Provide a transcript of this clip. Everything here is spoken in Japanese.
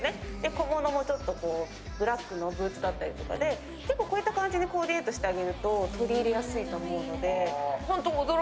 小物もちょっとブラックのブーツだったりして結構こういった感じにコーディネートしてあげると、取り入れやすいと思うので。